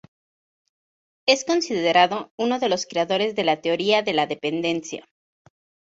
Es considerado uno de los creadores de la Teoría de la dependencia.